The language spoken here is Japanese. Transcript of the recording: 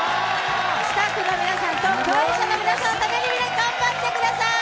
スタッフの皆さんと共演者の皆さんのために頑張ってください！